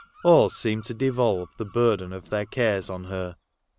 All seemed to devolve the burden of their cares on her.